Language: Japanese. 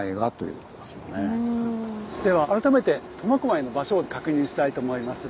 では改めて苫小牧の場所を確認したいと思います。